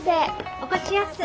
お越しやす。